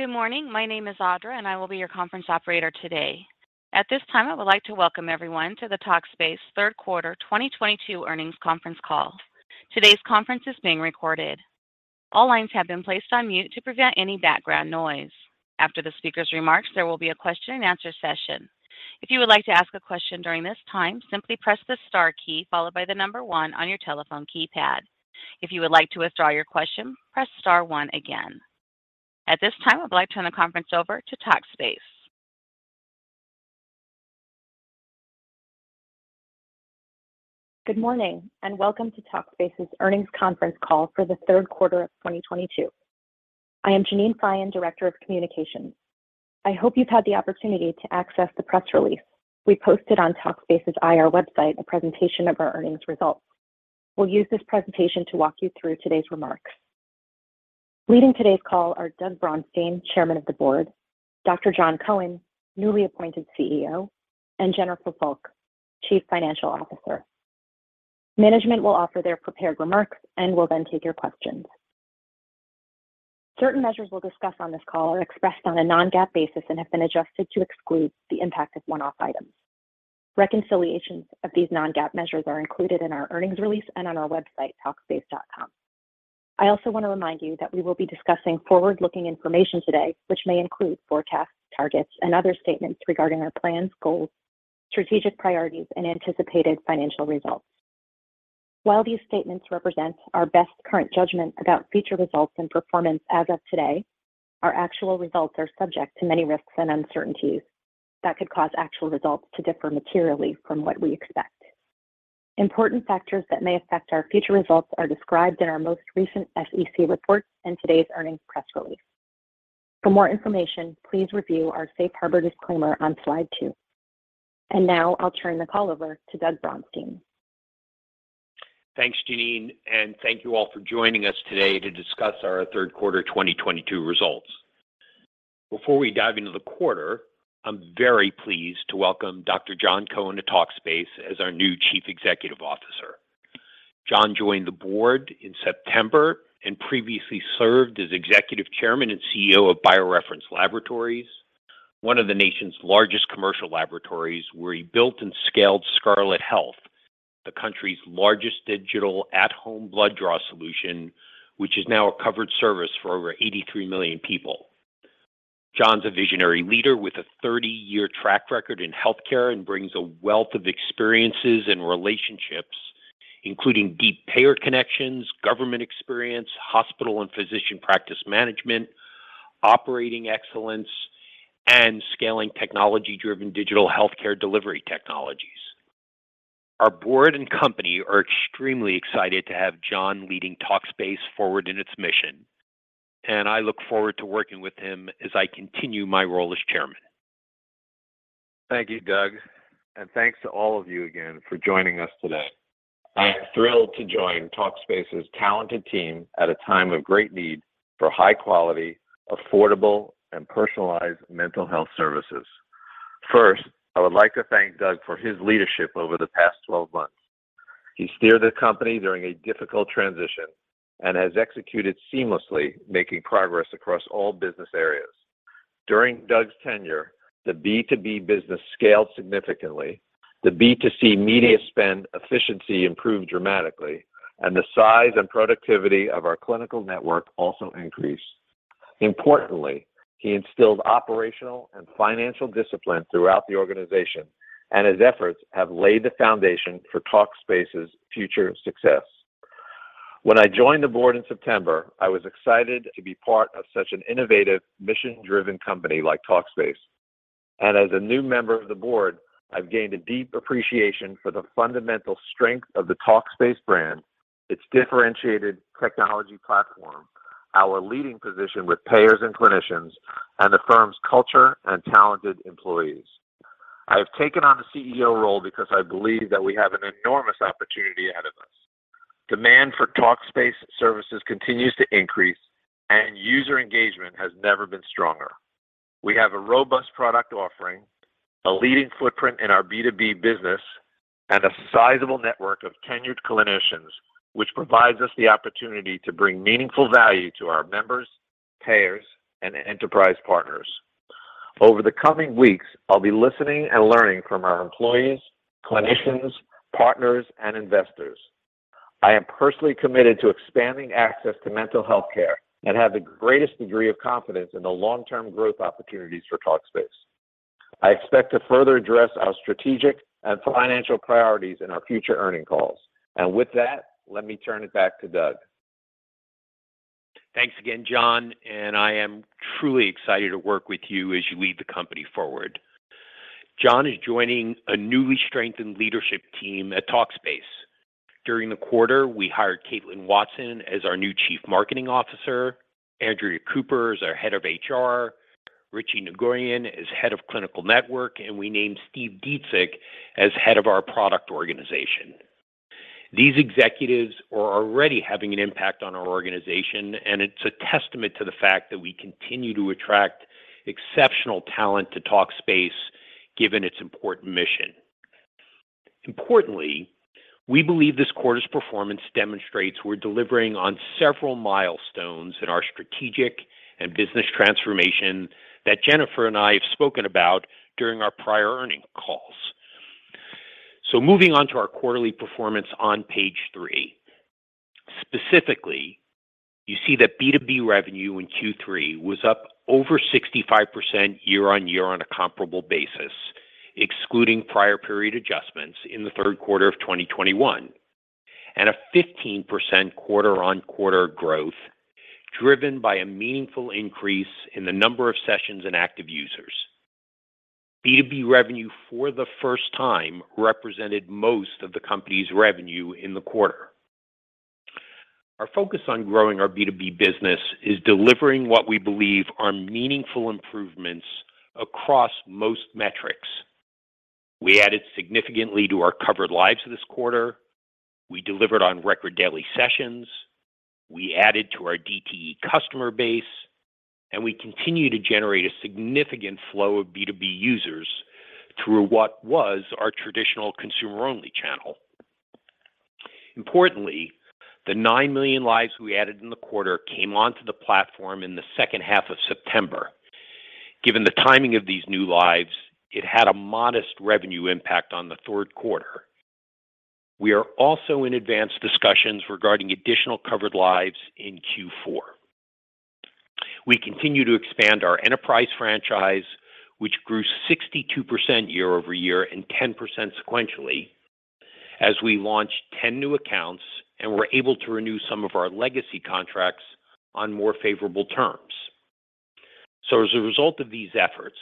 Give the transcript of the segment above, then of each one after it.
Good morning. My name is Audra, and I will be your conference operator today. At this time, I would like to welcome everyone to the Talkspace third quarter 2022 earnings conference call. Today's conference is being recorded. All lines have been placed on mute to prevent any background noise. After the speaker's remarks, there will be a question-and-answer session. If you would like to ask a question during this time, simply press the star key followed by the number one on your telephone keypad. If you would like to withdraw your question, press star one again. At this time, I would like to turn the conference over to Talkspace. Good morning, and welcome to Talkspace's earnings conference call for the third quarter of 2022. I am Jeannine Feyen, Director of Communications. I hope you've had the opportunity to access the press release we posted on Talkspace's IR website, a presentation of our earnings results. We'll use this presentation to walk you through today's remarks. Leading today's call are Doug Braunstein, Chairman of the Board, Dr. Jon Cohen, newly appointed CEO, and Jennifer Fulk, Chief Financial Officer. Management will offer their prepared remarks, and we'll then take your questions. Certain measures we'll discuss on this call are expressed on a non-GAAP basis and have been adjusted to exclude the impact of one-off items. Reconciliations of these non-GAAP measures are included in our earnings release and on our website, talkspace.com. I also want to remind you that we will be discussing forward-looking information today, which may include forecasts, targets, and other statements regarding our plans, goals, strategic priorities, and anticipated financial results. While these statements represent our best current judgment about future results and performance as of today, our actual results are subject to many risks and uncertainties that could cause actual results to differ materially from what we expect. Important factors that may affect our future results are described in our most recent SEC report and today's earnings press release. For more information, please review our safe harbor disclaimer on slide two. Now I'll turn the call over to Doug Braunstein. Thanks, Jeannine, and thank you all for joining us today to discuss our third quarter 2022 results. Before we dive into the quarter, I'm very pleased to welcome Dr. Jon Cohen to Talkspace as our new Chief Executive Officer. Jon joined the board in September and previously served as Executive Chairman and CEO of Bio-Reference Laboratories, one of the nation's largest commercial laboratories, where he built and scaled Scarlet Health, the country's largest digital at-home blood draw solution, which is now a covered service for over 83 million people. Jon's a visionary leader with a 30-year track record in healthcare and brings a wealth of experiences and relationships, including deep payer connections, government experience, hospital and physician practice management, operating excellence, and scaling technology-driven digital healthcare delivery technologies. Our board and company are extremely excited to have Jon leading Talkspace forward in its mission, and I look forward to working with him as I continue my role as chairman. Thank you, Doug, and thanks to all of you again for joining us today. I am thrilled to join Talkspace's talented team at a time of great need for high quality, affordable, and personalized mental health services. First, I would like to thank Doug for his leadership over the past 12 months. He steered the company during a difficult transition and has executed seamlessly, making progress across all business areas. During Doug's tenure, the B2B business scaled significantly, the B2C media spend efficiency improved dramatically, and the size and productivity of our clinical network also increased. Importantly, he instilled operational and financial discipline throughout the organization, and his efforts have laid the foundation for Talkspace's future success. When I joined the board in September, I was excited to be part of such an innovative, mission-driven company like Talkspace. As a new member of the board, I've gained a deep appreciation for the fundamental strength of the Talkspace brand, its differentiated technology platform, our leading position with payers and clinicians, and the firm's culture and talented employees. I have taken on the CEO role because I believe that we have an enormous opportunity ahead of us. Demand for Talkspace services continues to increase, and user engagement has never been stronger. We have a robust product offering, a leading footprint in our B2B business, and a sizable network of tenured clinicians, which provides us the opportunity to bring meaningful value to our members, payers, and enterprise partners. Over the coming weeks, I'll be listening and learning from our employees, clinicians, partners, and investors. I am personally committed to expanding access to mental health care and have the greatest degree of confidence in the long-term growth opportunities for Talkspace. I expect to further address our strategic and financial priorities in our future earnings calls. With that, let me turn it back to Doug. Thanks again, Jon, and I am truly excited to work with you as you lead the company forward. Jon is joining a newly strengthened leadership team at Talkspace. During the quarter, we hired Katelyn Watson as our new Chief Marketing Officer. Andrea Cooper is our head of HR. Richie Nguyen is head of clinical network, and we named Steven Dziedzic as head of our product organization. These executives are already having an impact on our organization, and it's a testament to the fact that we continue to attract exceptional talent to Talkspace given its important mission. Importantly, we believe this quarter's performance demonstrates we're delivering on several milestones in our strategic and business transformation that Jennifer and I have spoken about during our prior earnings calls. Moving on to our quarterly performance on page three. Specifically, you see that B2B revenue in Q3 was up over 65% year-on-year on a comparable basis, excluding prior period adjustments in the third quarter of 2021, and a 15% quarter-on-quarter growth, driven by a meaningful increase in the number of sessions and active users. B2B revenue for the first time represented most of the company's revenue in the quarter. Our focus on growing our B2B business is delivering what we believe are meaningful improvements across most metrics. We added significantly to our covered lives this quarter. We delivered on record daily sessions. We added to our DTE customer base, and we continue to generate a significant flow of B2B users through what was our traditional consumer-only channel. Importantly, the 9 million lives we added in the quarter came onto the platform in the second half of September. Given the timing of these new lives, it had a modest revenue impact on the third quarter. We are also in advanced discussions regarding additional covered lives in Q4. We continue to expand our enterprise franchise, which grew 62% year over year and 10% sequentially as we launched 10 new accounts, and we're able to renew some of our legacy contracts on more favorable terms. As a result of these efforts,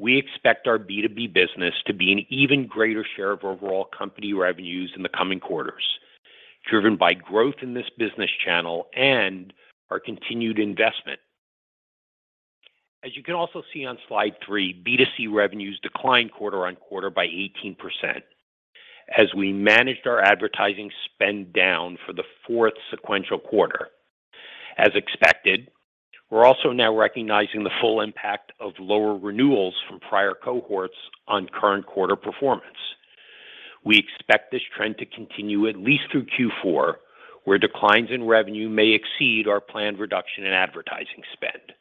we expect our B2B business to be an even greater share of overall company revenues in the coming quarters, driven by growth in this business channel and our continued investment. As you can also see on slide three, B2C revenues declined quarter on quarter by 18% as we managed our advertising spend down for the fourth sequential quarter. As expected, we're also now recognizing the full impact of lower renewals from prior cohorts on current quarter performance. We expect this trend to continue at least through Q4, where declines in revenue may exceed our planned reduction in advertising spend.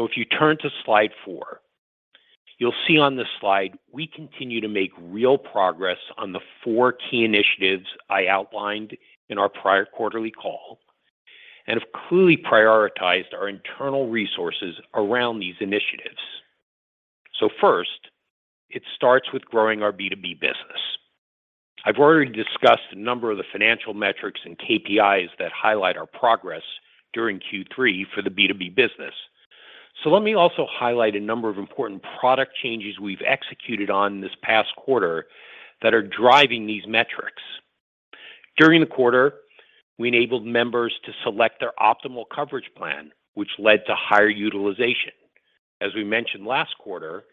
If you turn to slide 4, you'll see on this slide, we continue to make real progress on the 4 key initiatives I outlined in our prior quarterly call and have clearly prioritized our internal resources around these initiatives. First, it starts with growing our B2B business. I've already discussed a number of the financial metrics and KPIs that highlight our progress during Q3 for the B2B business. Let me also highlight a number of important product changes we've executed on this past quarter that are driving these metrics. During the quarter, we enabled members to select their optimal coverage plan, which led to higher utilization. As we mentioned last quarter,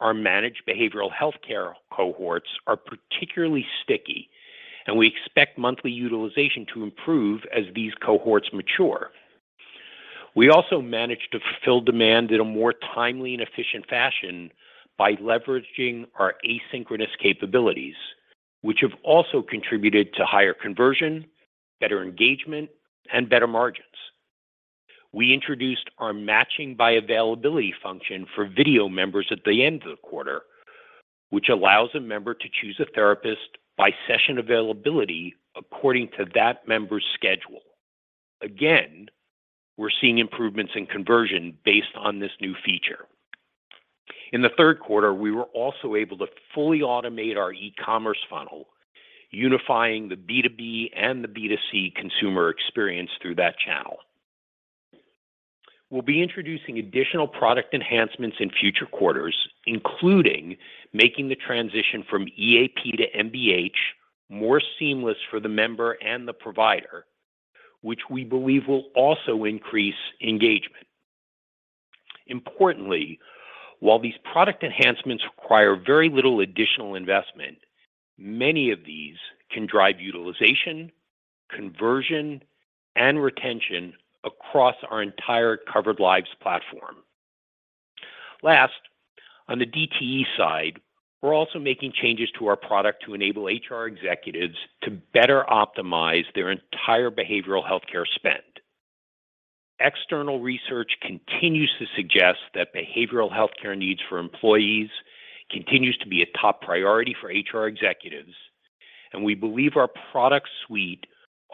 our managed behavioral healthcare cohorts are particularly sticky, and we expect monthly utilization to improve as these cohorts mature. We also managed to fulfill demand in a more timely and efficient fashion by leveraging our asynchronous capabilities, which have also contributed to higher conversion, better engagement, and better margins. We introduced our matching by availability function for video members at the end of the quarter, which allows a member to choose a therapist by session availability according to that member's schedule. Again, we're seeing improvements in conversion based on this new feature. In the third quarter, we were also able to fully automate our e-commerce funnel, unifying the B2B and the B2C consumer experience through that channel. We'll be introducing additional product enhancements in future quarters, including making the transition from EAP to MBH more seamless for the member and the provider, which we believe will also increase engagement. Importantly, while these product enhancements require very little additional investment, many of these can drive utilization, conversion, and retention across our entire covered lives platform. Last, on the DTE side, we're also making changes to our product to enable HR executives to better optimize their entire behavioral healthcare spend. External research continues to suggest that behavioral healthcare needs for employees continues to be a top priority for HR executives, and we believe our product suite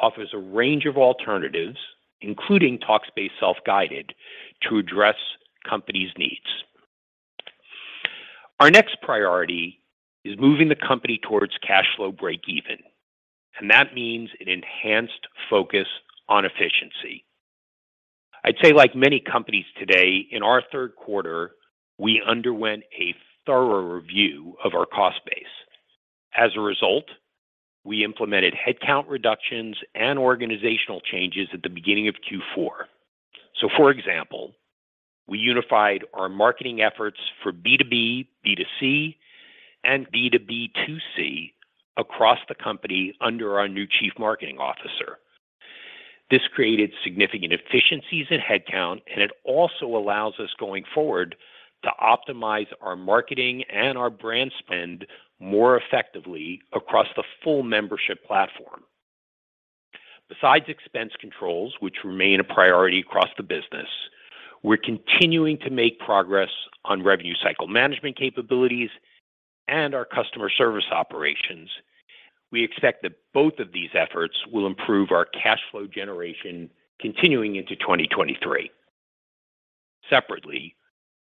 offers a range of alternatives, including talks-based self-guided, to address companies' needs. Our next priority is moving the company towards cash flow break even, and that means an enhanced focus on efficiency. I'd say like many companies today, in our third quarter, we underwent a thorough review of our cost base. As a result, we implemented headcount reductions and organizational changes at the beginning of Q4. For example, we unified our marketing efforts for B2B, B2C, and B2B2C across the company under our new Chief Marketing Officer. This created significant efficiencies in headcount, and it also allows us going forward to optimize our marketing and our brand spend more effectively across the full membership platform. Besides expense controls, which remain a priority across the business, we're continuing to make progress on revenue cycle management capabilities and our customer service operations. We expect that both of these efforts will improve our cash flow generation continuing into 2023. Separately,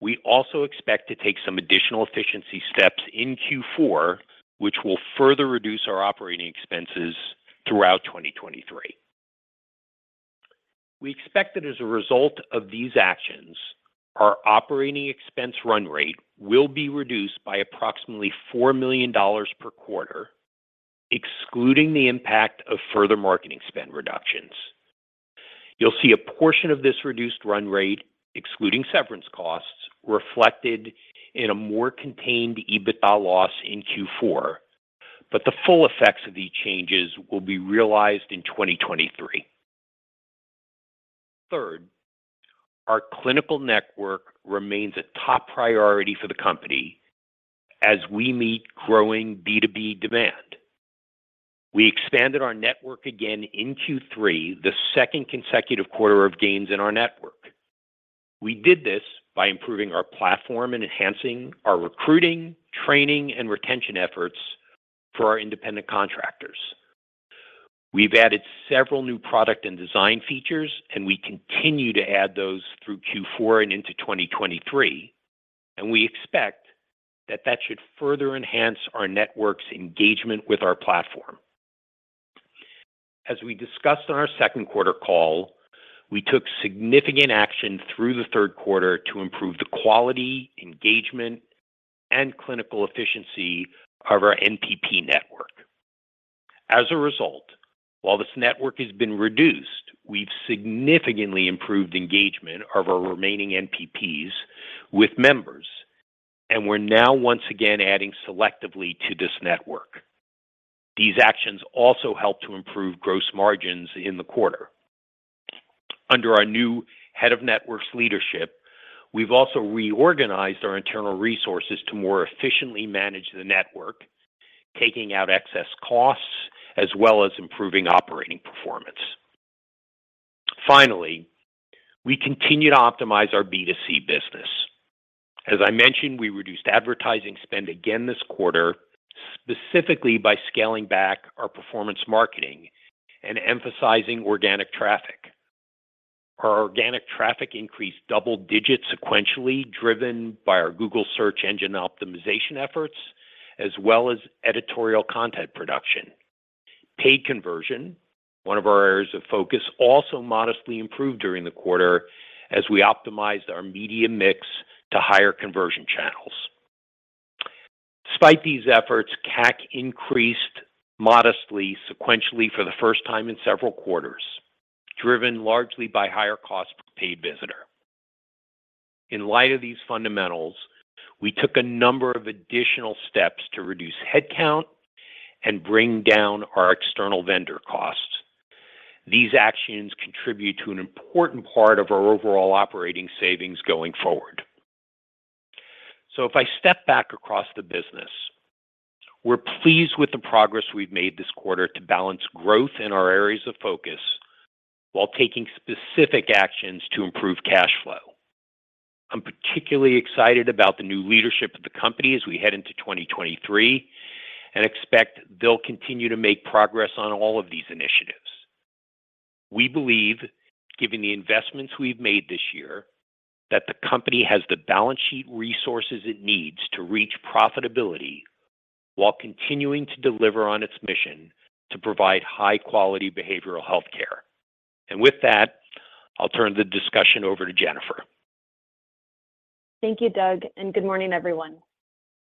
we also expect to take some additional efficiency steps in Q4, which will further reduce our operating expenses throughout 2023. We expect that as a result of these actions, our operating expense run rate will be reduced by approximately $4 million per quarter, excluding the impact of further marketing spend reductions. You'll see a portion of this reduced run rate, excluding severance costs, reflected in a more contained EBITDA loss in Q4. The full effects of these changes will be realized in 2023. Third, our clinical network remains a top priority for the company as we meet growing B2B demand. We expanded our network again in Q3, the second consecutive quarter of gains in our network. We did this by improving our platform and enhancing our recruiting, training, and retention efforts for our independent contractors. We've added several new product and design features, and we continue to add those through Q4 and into 2023, and we expect that that should further enhance our network's engagement with our platform. As we discussed on our second quarter call, we took significant action through the third quarter to improve the quality, engagement, and clinical efficiency of our NPP network. As a result, while this network has been reduced, we've significantly improved engagement of our remaining NPPs with members, and we're now once again adding selectively to this network. These actions also help to improve gross margins in the quarter. Under our new head of networks leadership, we've also reorganized our internal resources to more efficiently manage the network, taking out excess costs as well as improving operating performance. Finally, we continue to optimize our B2C business. As I mentioned, we reduced advertising spend again this quarter, specifically by scaling back our performance marketing and emphasizing organic traffic. Our organic traffic increased double digits sequentially, driven by our Google search engine optimization efforts as well as editorial content production. Paid conversion, one of our areas of focus, also modestly improved during the quarter as we optimized our media mix to higher conversion channels. Despite these efforts, CAC increased modestly sequentially for the first time in several quarters, driven largely by higher cost per paid visitor. In light of these fundamentals, we took a number of additional steps to reduce headcount and bring down our external vendor costs. These actions contribute to an important part of our overall operating savings going forward. If I step back across the business, we're pleased with the progress we've made this quarter to balance growth in our areas of focus while taking specific actions to improve cash flow. I'm particularly excited about the new leadership of the company as we head into 2023 and expect they'll continue to make progress on all of these initiatives. We believe, given the investments we've made this year, that the company has the balance sheet resources it needs to reach profitability while continuing to deliver on its mission to provide high-quality behavioral health care. With that, I'll turn the discussion over to Jennifer. Thank you, Doug, and good morning, everyone.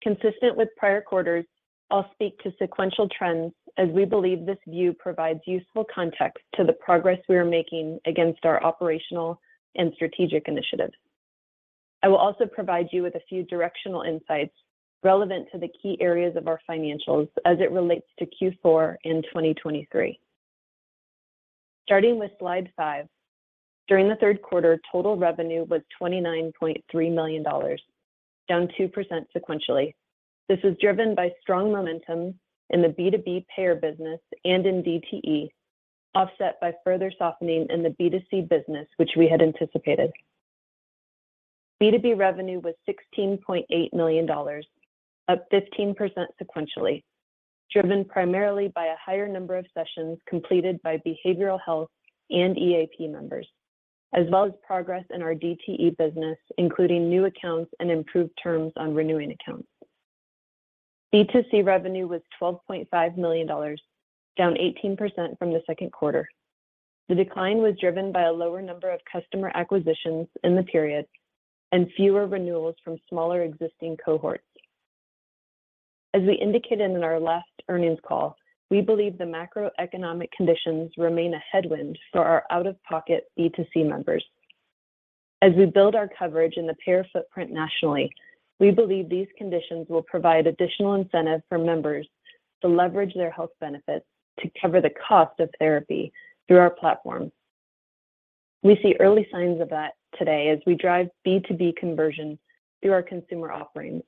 Consistent with prior quarters, I'll speak to sequential trends as we believe this view provides useful context to the progress we are making against our operational and strategic initiatives. I will also provide you with a few directional insights relevant to the key areas of our financials as it relates to Q4 in 2023. Starting with slide 5, during the third quarter, total revenue was $29.3 million, down 2% sequentially. This was driven by strong momentum in the B2B payer business and in DTE, offset by further softening in the B2C business, which we had anticipated. B2B revenue was $16.8 million, up 15% sequentially, driven primarily by a higher number of sessions completed by behavioral health and EAP members, as well as progress in our DTE business, including new accounts and improved terms on renewing accounts. B2C revenue was $12.5 million, down 18% from the second quarter. The decline was driven by a lower number of customer acquisitions in the period and fewer renewals from smaller existing cohorts. As we indicated in our last earnings call, we believe the macroeconomic conditions remain a headwind for our out-of-pocket B2C members. As we build our coverage in the payer footprint nationally, we believe these conditions will provide additional incentive for members to leverage their health benefits to cover the cost of therapy through our platform. We see early signs of that today as we drive B2B conversion through our consumer offerings.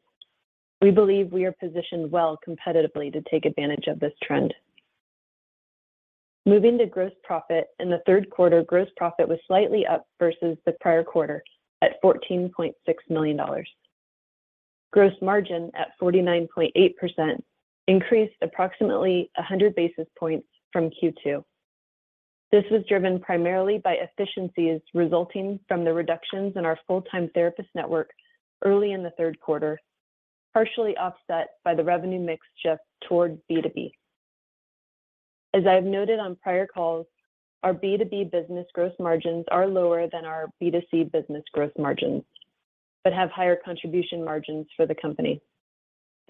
We believe we are positioned well competitively to take advantage of this trend. Moving to gross profit. In the third quarter, gross profit was slightly up versus the prior quarter at $14.6 million. Gross margin at 49.8% increased approximately 100 basis points from Q2. This was driven primarily by efficiencies resulting from the reductions in our full-time therapist network early in the third quarter, partially offset by the revenue mix shift towards B2B. As I have noted on prior calls, our B2B business gross margins are lower than our B2C business gross margins, but have higher contribution margins for the company,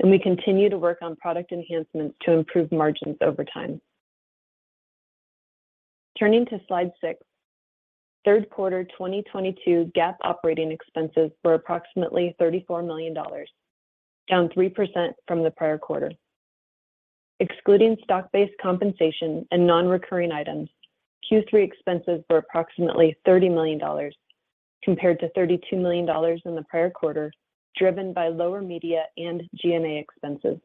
and we continue to work on product enhancements to improve margins over time. Turning to slide six. Third quarter 2022 GAAP operating expenses were approximately $34 million, down 3% from the prior quarter. Excluding stock-based compensation and non-recurring items, Q3 expenses were approximately $30 million compared to $32 million in the prior quarter, driven by lower media and G&A expenses.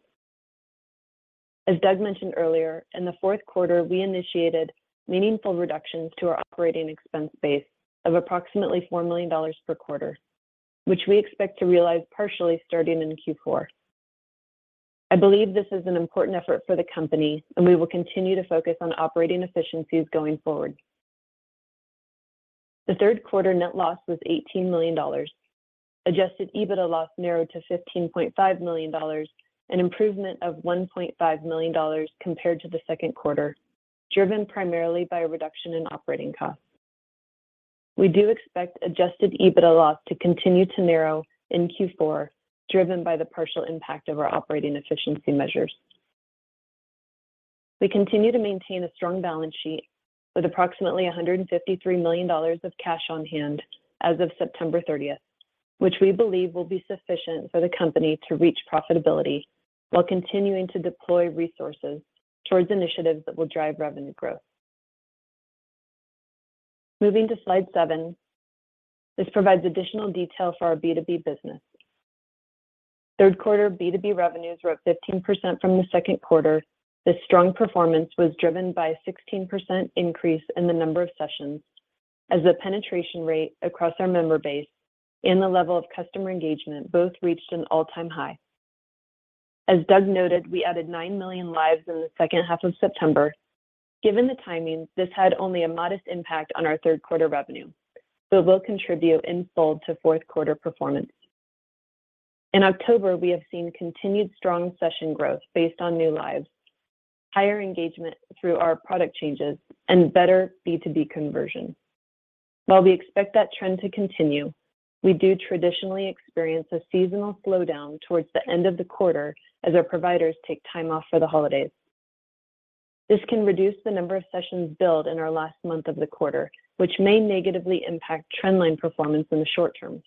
As Doug mentioned earlier, in the fourth quarter, we initiated meaningful reductions to our operating expense base of approximately $4 million per quarter, which we expect to realize partially starting in Q4. I believe this is an important effort for the company, and we will continue to focus on operating efficiencies going forward. The third quarter net loss was $18 million. Adjusted EBITDA loss narrowed to $15.5 million, an improvement of $1.5 million compared to the second quarter, driven primarily by a reduction in operating costs. We do expect adjusted EBITDA loss to continue to narrow in Q4, driven by the partial impact of our operating efficiency measures. We continue to maintain a strong balance sheet with approximately $153 million of cash on hand as of September thirtieth, which we believe will be sufficient for the company to reach profitability while continuing to deploy resources towards initiatives that will drive revenue growth. Moving to slide 7. This provides additional detail for our B2B business. Third quarter B2B revenues were up 15% from the second quarter. This strong performance was driven by a 16% increase in the number of sessions as the penetration rate across our member base and the level of customer engagement both reached an all-time high. As Doug noted, we added 9 million lives in the second half of September. Given the timing, this had only a modest impact on our third quarter revenue, but will contribute in full to fourth quarter performance. In October, we have seen continued strong session growth based on new lives, higher engagement through our product changes, and better B2B conversion. While we expect that trend to continue, we do traditionally experience a seasonal slowdown towards the end of the quarter as our providers take time off for the holidays. This can reduce the number of sessions billed in our last month of the quarter, which may negatively impact trend line performance in the short term.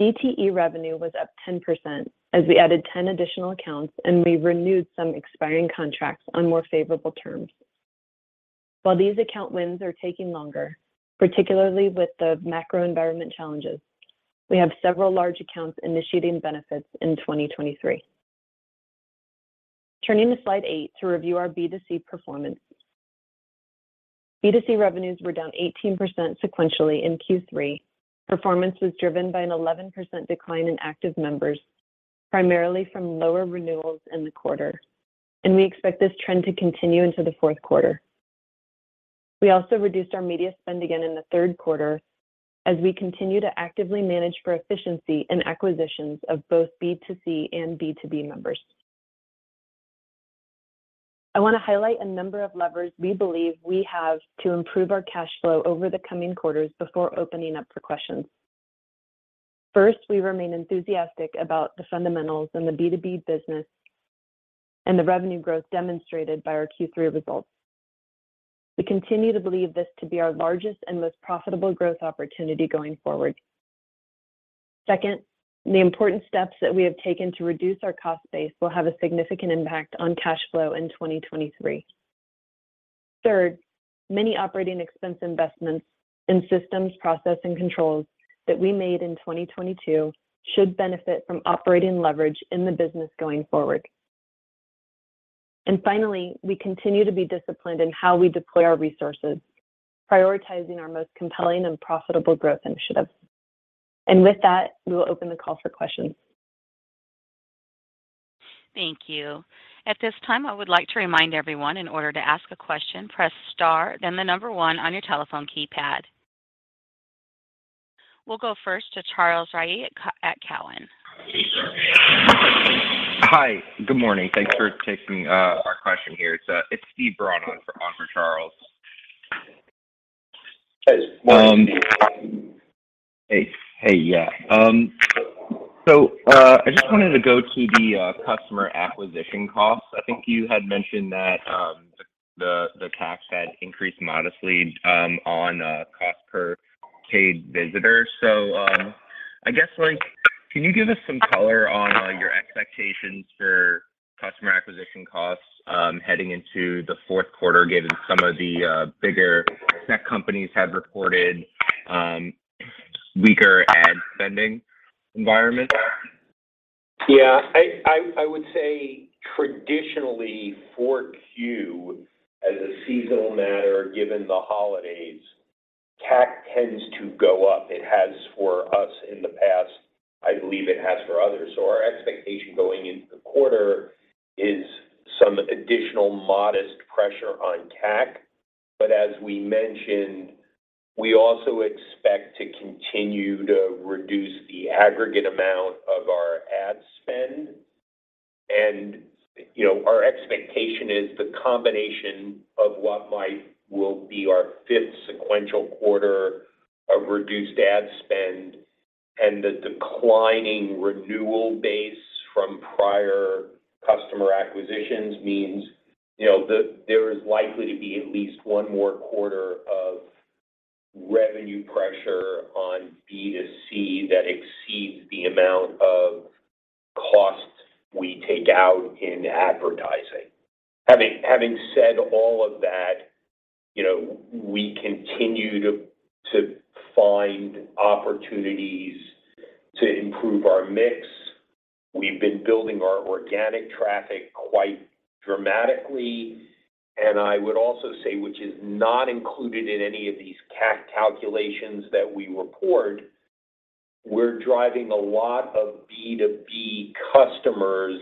DTE revenue was up 10% as we added 10 additional accounts, and we renewed some expiring contracts on more favorable terms. While these account wins are taking longer, particularly with the macro environment challenges, we have several large accounts initiating benefits in 2023. Turning to slide 8 to review our B2C performance. B2C revenues were down 18% sequentially in Q3. Performance was driven by an 11% decline in active members, primarily from lower renewals in the quarter, and we expect this trend to continue into the fourth quarter. We also reduced our media spend again in the third quarter as we continue to actively manage for efficiency and acquisitions of both B2C and B2B members. I wanna highlight a number of levers we believe we have to improve our cash flow over the coming quarters before opening up for questions. First, we remain enthusiastic about the fundamentals in the B2B business and the revenue growth demonstrated by our Q3 results. We continue to believe this to be our largest and most profitable growth opportunity going forward. Second, the important steps that we have taken to reduce our cost base will have a significant impact on cash flow in 2023. Third, many operating expense investments in systems, process, and controls that we made in 2022 should benefit from operating leverage in the business going forward. Finally, we continue to be disciplined in how we deploy our resources, prioritizing our most compelling and profitable growth initiatives. With that, we will open the call for questions. Thank you. At this time, I would like to remind everyone in order to ask a question, press star then the number one on your telephone keypad. We'll go first to Charles Rhyee at Cowen. Hi, good morning. Thanks for taking our question here. It's Steve Braun on for Charles. Hey, yeah. I just wanted to go to the customer acquisition costs. I think you had mentioned that the CAC had increased modestly on cost per paid visitor. I guess like, can you give us some color on your expectations for customer acquisition costs heading into the fourth quarter, given some of the bigger tech companies have reported weaker ad spending environments? Yeah. I would say traditionally Q4 as a seasonal matter, given the holidays, CAC tends to go up. It has for us in the past, I believe it has for others. Our expectation going into the quarter is some additional modest pressure on CAC. As we mentioned, we also expect to continue to reduce the aggregate amount of our ad spend. You know, our expectation is the combination of what will be our fifth sequential quarter of reduced ad spend and the declining renewal base from prior customer acquisitions means, you know, there is likely to be at least one more quarter of revenue pressure on B2C that exceeds the amount of costs we take out in advertising. Having said all of that, you know, we continue to find opportunities to improve our mix. We've been building our organic traffic quite dramatically, and I would also say, which is not included in any of these CAC calculations that we report, we're driving a lot of B2B customers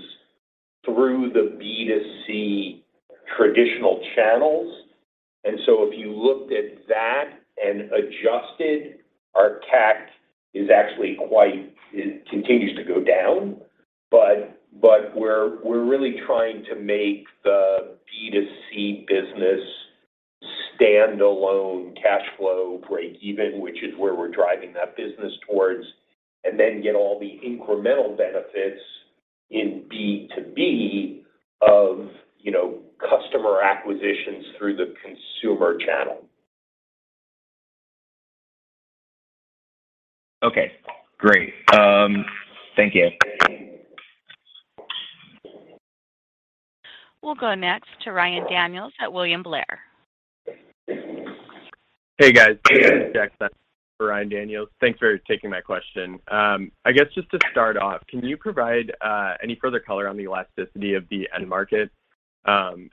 through the B2C traditional channels. If you looked at that and adjusted, our CAC is actually quite, it continues to go down. We're really trying to make the B2C business stand alone, cash flow breakeven, which is where we're driving that business towards, and then get all the incremental benefits in B2B of, you know, customer acquisitions through the consumer channel. Okay, great. Thank you. We'll go next to Ryan Daniels at William Blair. Hey, guys. This is Jackson for Ryan Daniels. Thanks for taking my question. I guess just to start off, can you provide any further color on the elasticity of the end market?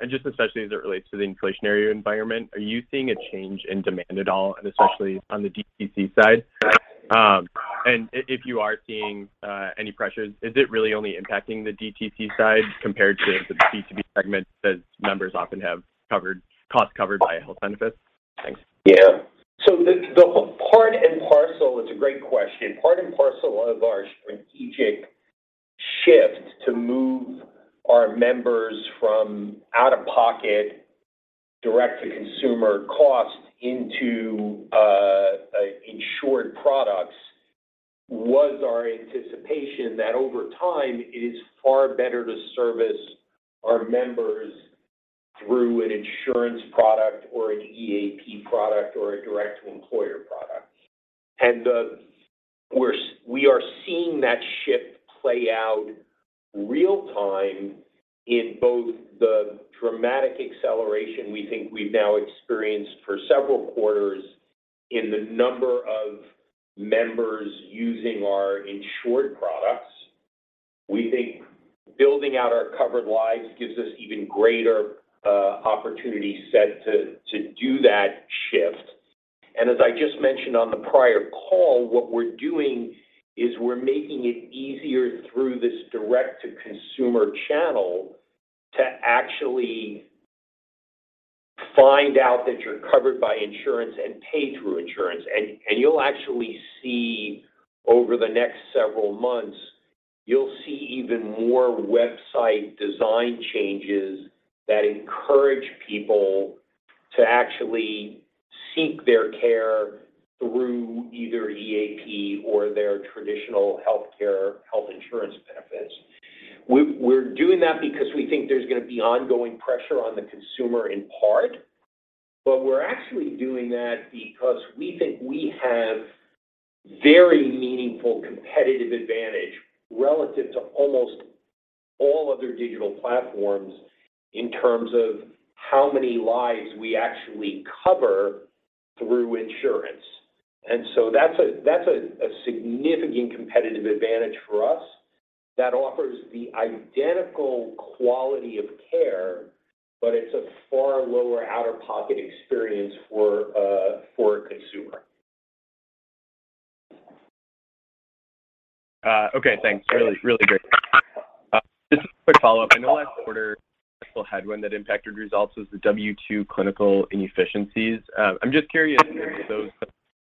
Just especially as it relates to the inflationary environment, are you seeing a change in demand at all, and especially on the DTC side? If you are seeing any pressures, is it really only impacting the DTC side compared to the B2B segment that members often have costs covered by health benefits? Thanks. The part and parcel, it's a great question. Part and parcel of our strategic shift to move our members from out-of-pocket direct-to-consumer costs into insured products was our anticipation that over time, it is far better to service our members through an insurance product or an EAP product or a direct employer product. We are seeing that shift play out real time in both the dramatic acceleration we think we've now experienced for several quarters in the number of members using our insured products. We think building out our covered lives gives us even greater opportunity set to do that shift. As I just mentioned on the prior call, what we're doing is we're making it easier through this direct-to-consumer channel to actually find out that you're covered by insurance and pay through insurance. You'll actually see over the next several months, you'll see even more website design changes that encourage people to actually seek their care through either EAP or their traditional healthcare health insurance benefits. We're doing that because we think there's gonna be ongoing pressure on the consumer in part. We're actually doing that because we think we have very meaningful competitive advantage relative to almost all other digital platforms in terms of how many lives we actually cover through insurance. That's a significant competitive advantage for us that offers the identical quality of care, but it's a far lower out-of-pocket experience for a consumer. Okay, thanks. Really great. Just a quick follow-up. I know last quarter, you still had one that impacted results was the W2 clinical inefficiencies. I'm just curious if those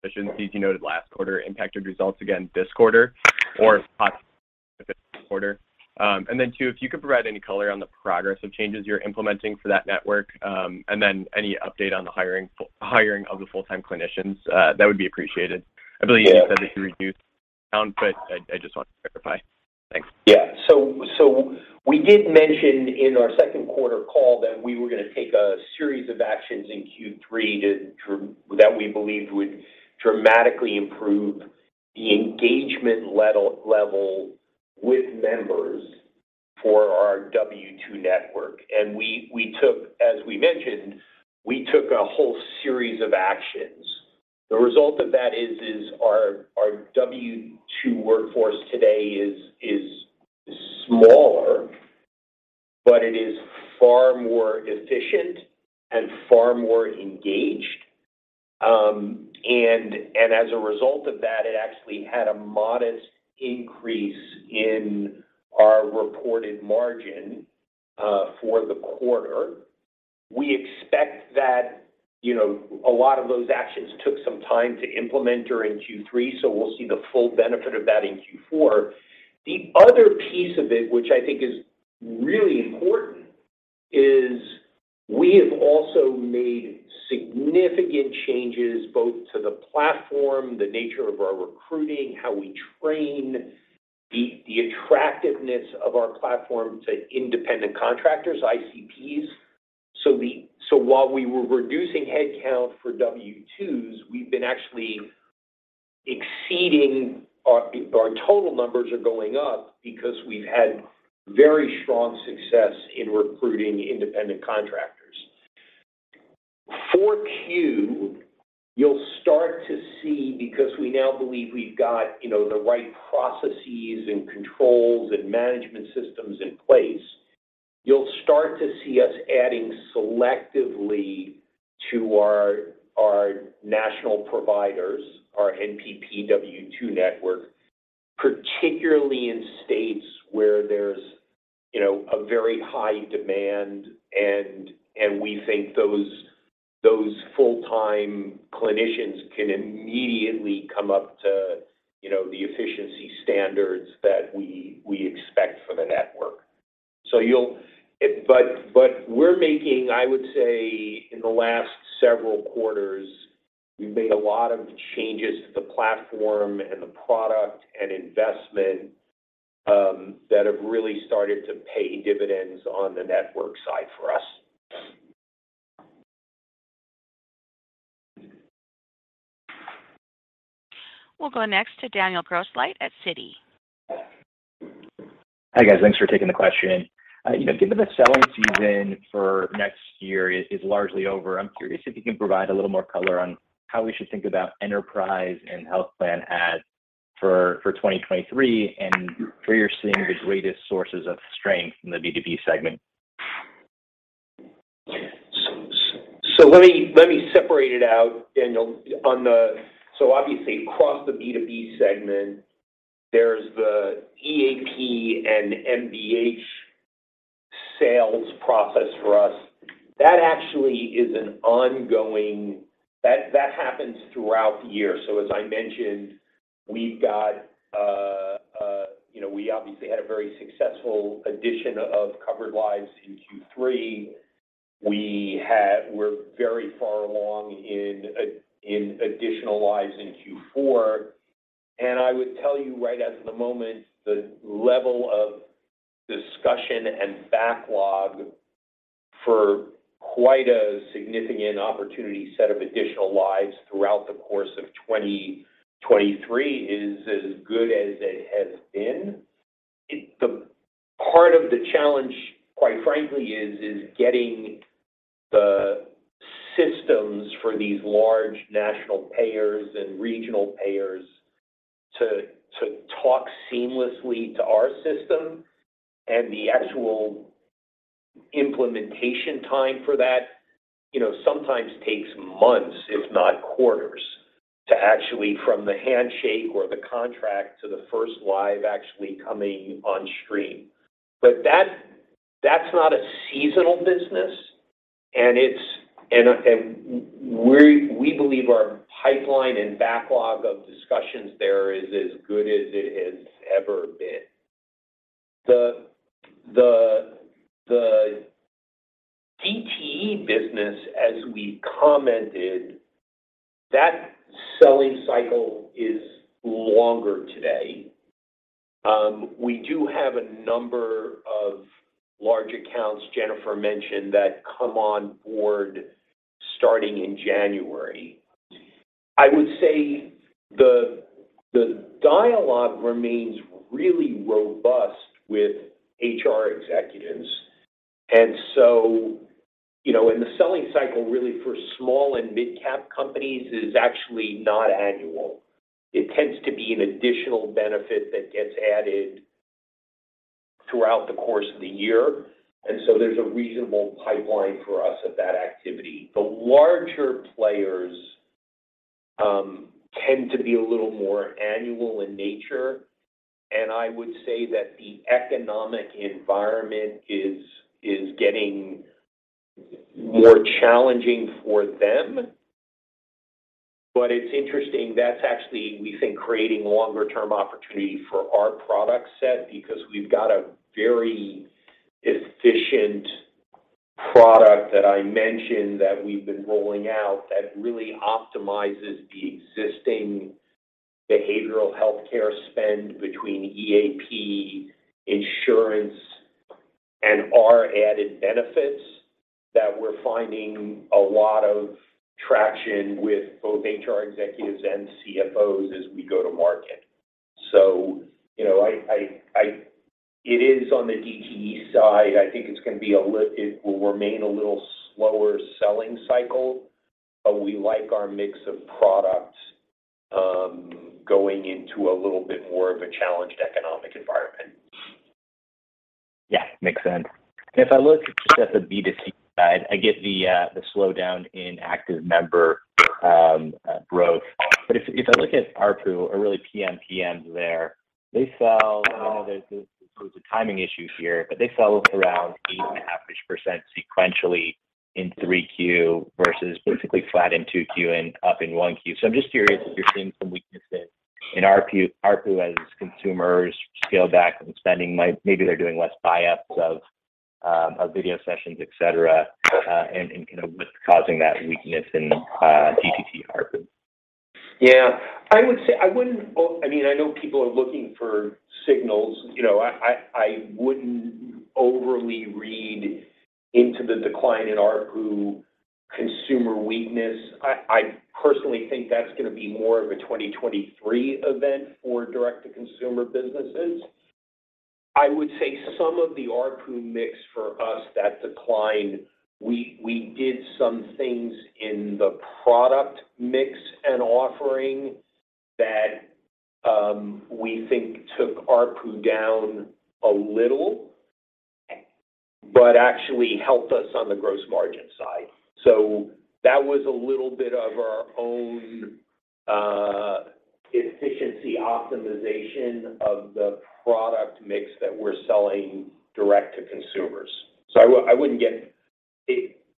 inefficiencies you noted last quarter impacted results again this quarter or if poss- Quarter. Two, if you could provide any color on the progress of changes you're implementing for that network, and then any update on the hiring of the full-time clinicians, that would be appreciated. I believe you said that you reduced count, but I just want to clarify. Thanks. Yeah. We did mention in our second quarter call that we were gonna take a series of actions in Q3 to that we believed would dramatically improve the engagement level with members for our W-2 network. We took, as we mentioned, a whole series of actions. The result of that is our W-2 workforce today is smaller, but it is far more efficient and far more engaged. As a result of that, it actually had a modest increase in our reported margin for the quarter. We expect that, you know, a lot of those actions took some time to implement during Q3, so we'll see the full benefit of that in Q4. The other piece of it, which I think is really important, is we have also made significant changes both to the platform, the nature of our recruiting, how we train, the attractiveness of our platform to independent contractors, ICs. So while we were reducing headcount for W-2s, we've been actually exceeding our total numbers are going up because we've had very strong success in recruiting independent contractors. For Q, you'll start to see, because we now believe we've got, you know, the right processes and controls and management systems in place, you'll start to see us adding selectively to our national providers, our NPP W-2 network, particularly in states where there's, you know, a very high demand, and we think those full-time clinicians can immediately come up to, you know, the efficiency standards that we expect for the network. So you'll We're making, I would say in the last several quarters, we've made a lot of changes to the platform and the product and investment that have really started to pay dividends on the network side for us. We'll go next to Daniel Grosslight at Citi. Hi, guys. Thanks for taking the question. You know, given the selling season for next year is largely over, I'm curious if you can provide a little more color on how we should think about enterprise and health plan ads for 2023, and where you're seeing the greatest sources of strength in the B2B segment. Let me separate it out, Daniel. Obviously across the B2B segment, there's the EAP and MBH sales process for us. That actually is an ongoing process that happens throughout the year. As I mentioned, we've got, you know, we obviously had a very successful addition of covered lives in Q3. We're very far along in additional lives in Q4. I would tell you right as of the moment, the level of discussion and backlog for quite a significant opportunity set of additional lives throughout the course of 2023 is as good as it has been. The part of the challenge, quite frankly, is getting the systems for these large national payers and regional payers to talk seamlessly to our system. The actual implementation time for that, you know, sometimes takes months, if not quarters, to actually from the handshake or the contract to the first live actually coming on stream. That's not a seasonal business, and we believe our pipeline and backlog of discussions there is as good as it has ever been. The DTE business, as we commented, that selling cycle is longer today. We do have a number of large accounts Jennifer mentioned that come on board starting in January. I would say the dialogue remains really robust with HR executives. You know, and the selling cycle really for small and midcap companies is actually not annual. It tends to be an additional benefit that gets added throughout the course of the year. There's a reasonable pipeline for us of that activity. The larger players tend to be a little more annual in nature. I would say that the economic environment is getting more challenging for them. It's interesting. That's actually, we think, creating longer term opportunity for our product set because we've got a very efficient product that I mentioned that we've been rolling out that really optimizes the existing behavioral healthcare spend between EAP insurance and our added benefits that we're finding a lot of traction with both HR executives and CFOs as we go to market. You know, I-- It is on the DTE side, I think it's gonna be a little-- it will remain a little slower selling cycle, but we like our mix of products, going into a little bit more of a challenged economic environment. Yeah. Makes sense. If I look just at the B2C side, I get the slowdown in active member growth. If I look at ARPU or really PMPM there, they fell, you know, there's sort of timing issues here. They fell around 8.5%-ish sequentially in Q3 versus basically flat in Q2 and up in Q1. I'm just curious if you're seeing some weaknesses in ARPU as consumers scale back from spending. Maybe they're doing less buyups of video sessions, et cetera. And kinda what's causing that weakness in DTC ARPU. Yeah. I would say I wouldn't. Well, I mean, I know people are looking for signals. You know, I wouldn't overly read into the decline in ARPU consumer weakness. I personally think that's gonna be more of a 2023 event for direct-to-consumer businesses. I would say some of the ARPU mix for us that declined, we did some things in the product mix and offering that we think took ARPU down a little, but actually helped us on the gross margin side. So that was a little bit of our own efficiency optimization of the product mix that we're selling direct to consumers. So I wouldn't get.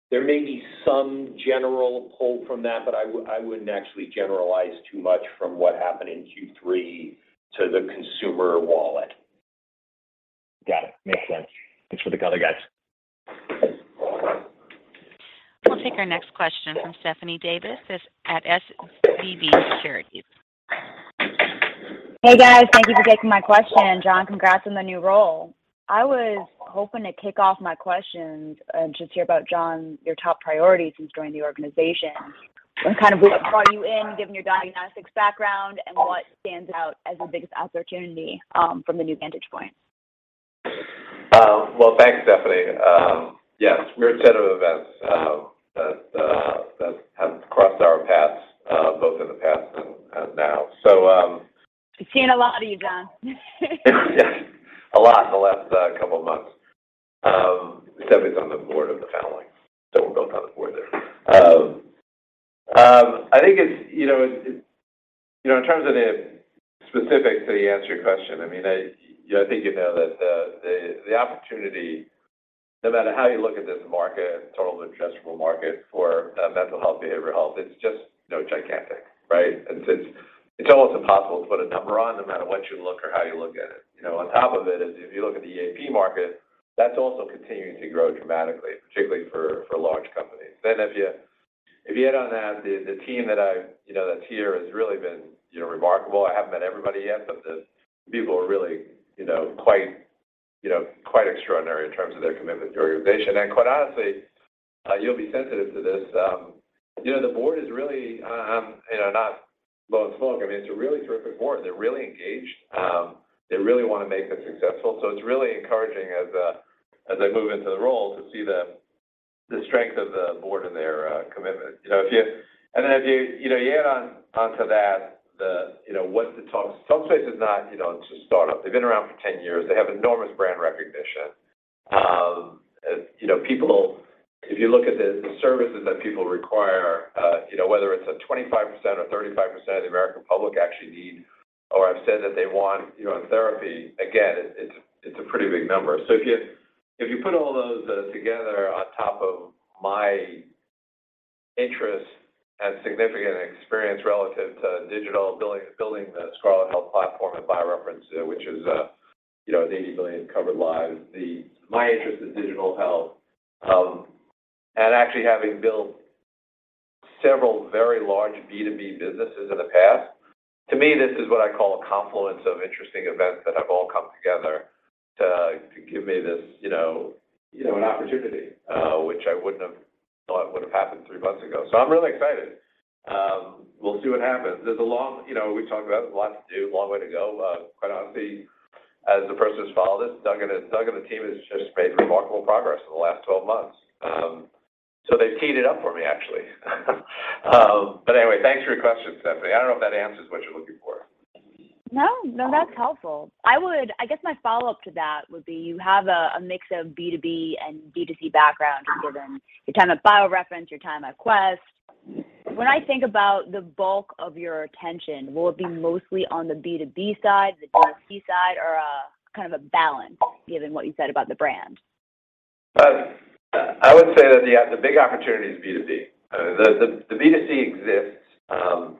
There may be some general pull from that, but I wouldn't actually generalize too much from what happened in Q3 to the consumer wallet. Got it. Makes sense. Thanks for the color, guys. We'll take our next question from Stephanie Davis at SVB Securities. Hey, guys. Thank you for taking my question. Jon, congrats on the new role. I was hoping to kick off my questions and just hear about, Jon, your top priorities since joining the organization, and kind of what brought you in given your diagnostics background, and what stands out as the biggest opportunity from the new vantage point. Well, thanks, Stephanie. Yes, weird set of events that have crossed our paths both in the past and now. I've seen a lot of you, Jon. Yes. A lot in the last couple months. Stephanie's on the board of the family, so we're both on the board there. I think it's, you know. You know, in terms of the specifics to answer your question, I mean, I, you know, I think you know that the opportunity, no matter how you look at this market, total addressable market for mental health, behavioral health, it's just, you know, gigantic, right? It's almost impossible to put a number on, no matter what you look or how you look at it. You know, on top of it is if you look at the EAP market, that's also continuing to grow dramatically, particularly for large companies. If you add on that, the team that's here has really been, you know, remarkable. I haven't met everybody yet, but the people are really, you know, quite extraordinary in terms of their commitment to the organization. Quite honestly, you'll be sensitive to this, you know, the board is really, you know, not blowing smoke. I mean, it's a really terrific board. They're really engaged. They really wanna make this successful. It's really encouraging as I move into the role to see the strength of the board and their commitment. You know, and then if you know, you add onto that the, you know, Talkspace is not, you know, it's a startup. They've been around for 10 years. They have enormous brand recognition. If you look at the services that people require, you know, whether it's 25% or 35% of the American public actually need or have said that they want, you know, therapy, again, it's a pretty big number. So if you put all those together on top of my interest and significant experience relative to digital, building the Scarlet Health platform at BioReference, which, you know, has 80 million covered lives. My interest in digital health and actually having built several very large B2B businesses in the past, to me, this is what I call a confluence of interesting events that have all come together to give me this, you know, an opportunity, which I wouldn't have thought would have happened three months ago. So I'm really excited. We'll see what happens. There's a long way to go. You know, we talked about lots to do. Quite honestly, as the person who's followed this, Doug and the team has just made remarkable progress in the last 12 months. They've teed it up for me, actually. Anyway, thanks for your question, Stephanie. I don't know if that answers what you're looking for. No, that's helpful. I guess my follow-up to that would be you have a mix of B2B and B2C background given your time at BioReference, your time at Quest. When I think about the bulk of your attention, will it be mostly on the B2B side, the B2C side, or kind of a balance given what you said about the brand? I would say that the big opportunity is B2B. The B2C exists,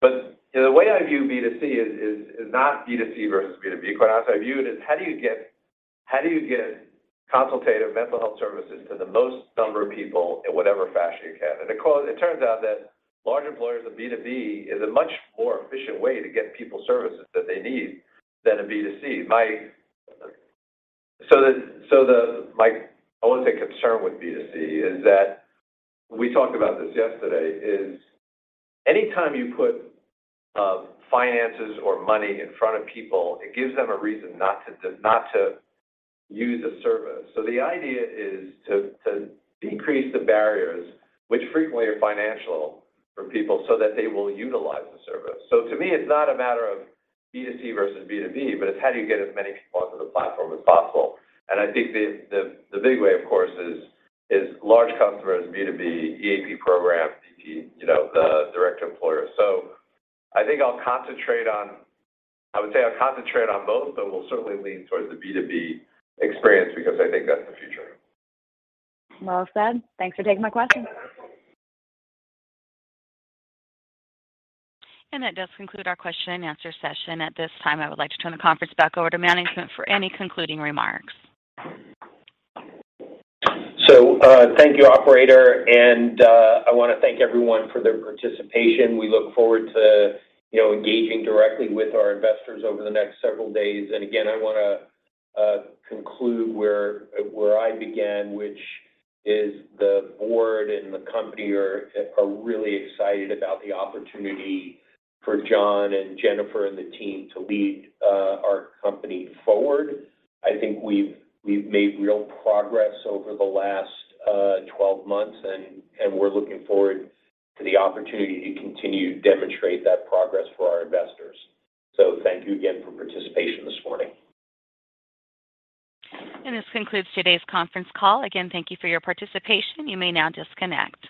but the way I view B2C is not B2C versus B2B. Quite honestly, I view it as how do you get consultative mental health services to the most number of people in whatever fashion you can? Of course, it turns out that large employers of B2B is a much more efficient way to get people services that they need than a B2C. My only concern with B2C is that, we talked about this yesterday, is anytime you put finances or money in front of people, it gives them a reason not to use a service. The idea is to decrease the barriers, which frequently are financial for people, so that they will utilize the service. To me, it's not a matter of B2C versus B2B, but it's how do you get as many people onto the platform as possible. I think the big way of course is large customers, B2B, EAP programs, you know, direct employers. I would say I'll concentrate on both, but we'll certainly lean towards the B2B experience because I think that's the future. Well said. Thanks for taking my question. That does conclude our question and answer session. At this time, I would like to turn the conference back over to management for any concluding remarks. thank you, operator, and I wanna thank everyone for their participation. We look forward to, you know, engaging directly with our investors over the next several days. again, I wanna conclude where I began, which is the board and the company are really excited about the opportunity for John and Jennifer and the team to lead our company forward. I think we've made real progress over the last 12 months and we're looking forward to the opportunity to continue to demonstrate that progress for our investors. thank you again for participation this morning. This concludes today's conference call. Again, thank you for your participation. You may now disconnect.